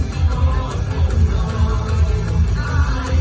มันเป็นเมื่อไหร่แล้ว